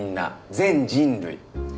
全人類。